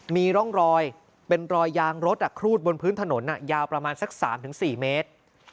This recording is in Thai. มีร่องรอยเป็นรอยยางรถครูดบนพื้นถนนยาวประมาณสัก๓๔เมตร